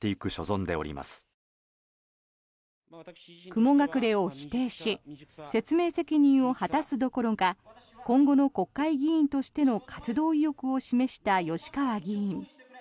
雲隠れを否定し説明責任を果たすどころか今後の国会議員としての活動意欲を示した吉川議員。